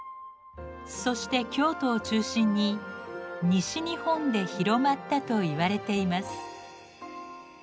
そして京都を中心に西日本で広まったといわれています。